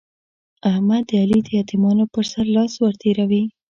احمد د علي د يتيمانو پر سر لاس ور تېروي.